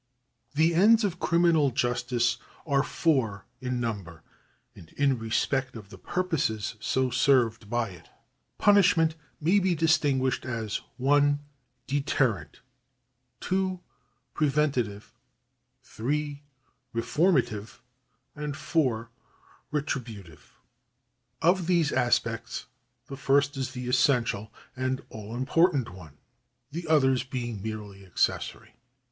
The ends of criminal justice are four in number, and in respect of the purposes so served by it, punishment may be distinguished as (1) Deterrent, (2) Preventive, (3) Reforma tive, and (4) Retributive. Of these aspects the first is the essential and all important one, the others being merely accessory.